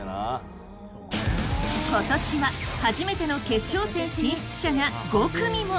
ことしは初めての決勝戦進出者が５組も！